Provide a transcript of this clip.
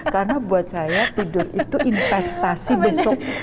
karena buat saya tidur itu investasi untuk besok